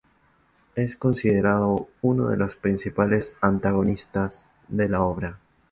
Es considerado uno de los principales antagonistas de la obra.